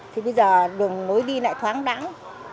thì bây giờ đường nối đi lại khoáng đắng